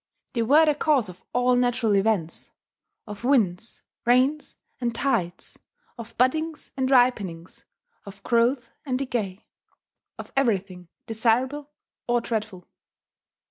They were the cause of all natural events, of winds, rains, and tides, of buddings and ripenings, of growth and decay, of everything desirable or dreadful.